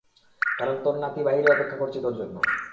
কারণ তোর নাতি বাহিরে অপেক্ষা করছে তোর জন্য।